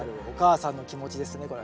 お母さんの気持ちですね。